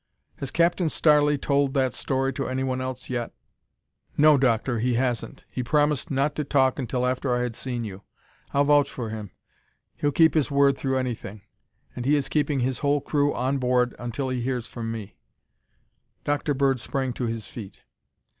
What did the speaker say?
"Has Captain Starley told that story to anyone else yet?" "No, Doctor, he hasn't. He promised not to talk until after I had seen you. I'll vouch for him; he'll keep his word through anything; and he is keeping his whole crew on board until he hears from me." Dr. Bird sprang to his feet.